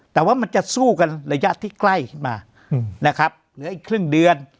แต่ว่ามันจะสู้กันระยะที่ใกล้ขึ้นมานะครับเหลืออีกครึ่งเดือน